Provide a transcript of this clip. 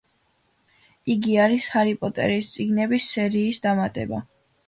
იგი არის ჰარი პოტერის წიგნების სერიის დამატება.